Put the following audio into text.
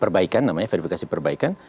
perbaikan namanya verifikasi perbaikan